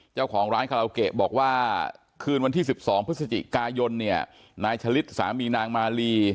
เจ้าของร้านคาราโอเกะบอกว่าคืนวันที่๑๒พฤศจิกายนเนี่ยนายชะลิดสามีนางมาลี